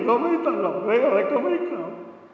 ทำไมเล่นอะไรก็ไม่ตลกเล่นอะไรก็ไม่ขาว